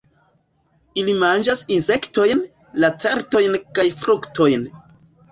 Ili manĝas insektojn, lacertojn kaj fruktojn.